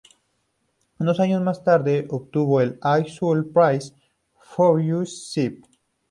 Dos años más tarde obtuvo el "All Souls Prize Fellowship".